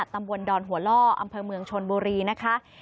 ตำบลดอนหัวล่ออำเภอเมืองชนบุรีนะคะ